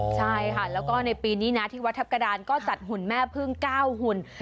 ใช่ค่ะแล้วก็ในปีนี้นะที่วัดทัพกระดานก็จัดหุ่นแม่พึ่ง๙หุ่น